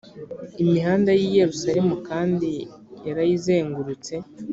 imihanda y’i yerusalemu kandi yarayizengurutse